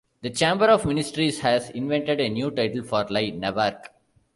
The Chamber of Ministers has invented a new title for Li: Navark.